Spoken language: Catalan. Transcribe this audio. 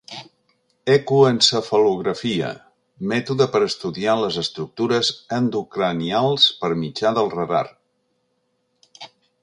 Ecoencefalografia: Mètode per a estudiar les estructures endocranials per mitjà del radar.